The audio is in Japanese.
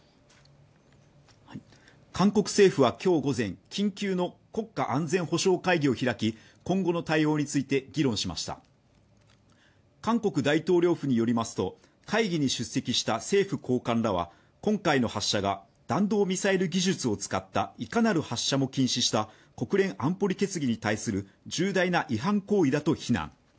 韓国政府はきょう午前緊急の国家安全保障会議を開き今後の対応について議論しました韓国大統領府によりますと会議に出席した政府高官らは今回の発射が弾道ミサイル技術を使ったいかなる発射も禁止した国連安保理決議に対する重大な違反行為だと非難